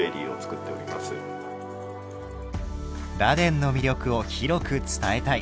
螺鈿の魅力を広く伝えたい。